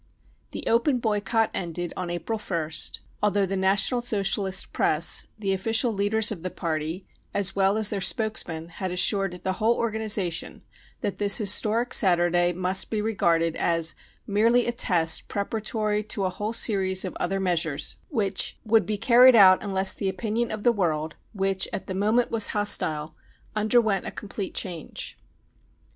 The open boycott ended on April 1st, although the National Socialist press, the official leaders of the party, as well as their spokesmen, had assured the whole organisation that this historic Saturday must be regarded as " merely a test preparatory to a whole series of other measures, 99 which " would be carried out unless the opinion of the world, which at the moment was hostile, underwent a complete change."